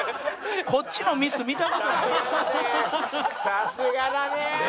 さすがだね！